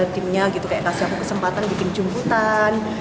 timnya gitu kasih aku kesempatan bikin cumputan